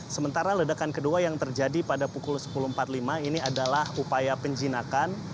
sementara ledakan kedua yang terjadi pada pukul sepuluh empat puluh lima ini adalah upaya penjinakan